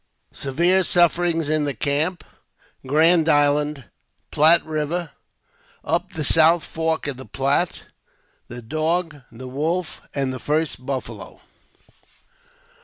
Severe Sufferings in the Camp — Grand Island — Platte River — Up the South Fork of the Platte— The Dog, the Wolf, and the first Buffalo.